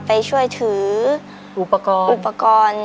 ไปช่วยถืออุปกรณ์